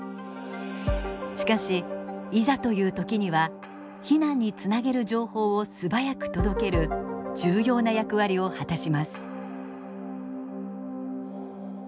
しかしいざという時には避難につなげる情報を素早く届ける重要な役割を果たします。